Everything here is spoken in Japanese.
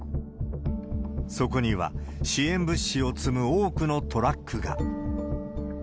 そこには、支援物資を詰む多くのトラックが。